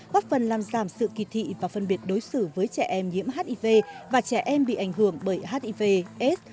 hoác phần làm giảm sự kỳ thị và phân biệt đối xử với trẻ em nhiễm hiv và trẻ em bị ảnh hưởng bởi hiv aids